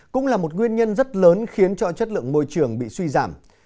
cũng là một nguyên nhân rất lớn khiến cho chất lượng môi trường bị suy giảm